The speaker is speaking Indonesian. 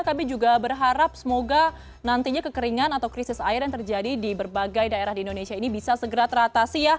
kami juga berharap semoga nantinya kekeringan atau krisis air yang terjadi di berbagai daerah di indonesia ini bisa segera teratasi ya